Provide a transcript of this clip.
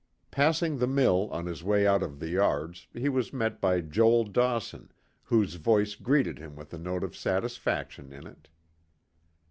Passing the mill on his way out of the yards he was met by Joel Dawson, whose voice greeted him with a note of satisfaction in it.